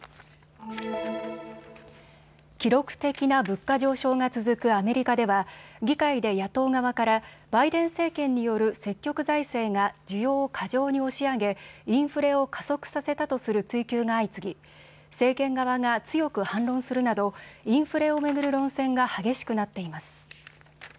記録的な物価上昇が続くアメリカでは議会で野党側からバイデン政権による積極財政が需要を過剰に押し上げインフレを加速させたとする追及が相次ぎ政権側が強く反論するなどインフレを巡る論戦が激しくなっています。